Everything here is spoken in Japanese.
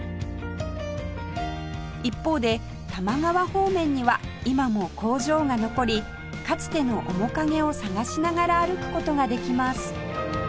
一方で多摩川方面には今も工場が残りかつての面影を探しながら歩く事ができます